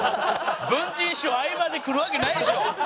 文珍師匠合間で来るわけないでしょ！